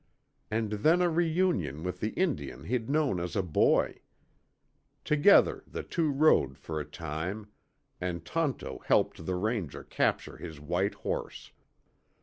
And then a reunion with the Indian he'd known as a boy. Together the two rode for a time, and Tonto helped the Ranger capture his white horse.